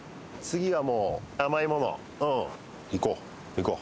行こう。